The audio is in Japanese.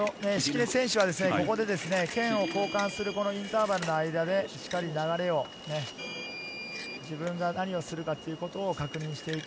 敷根選手はここで剣を交換するインターバルの間でしっかり流れを自分が何をするかということを確認していく。